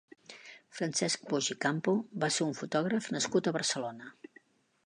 Francesc Boix i Campo va ser un fotògraf nascut a Barcelona.